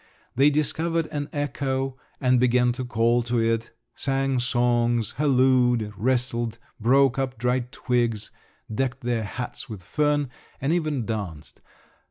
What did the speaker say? They discovered an echo, and began to call to it; sang songs, hallooed, wrestled, broke up dry twigs, decked their hats with fern, and even danced.